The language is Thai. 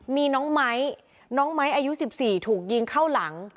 มีน้องไม้น้องไม้อายุ๑๔ถูกยิงเข้าหลัง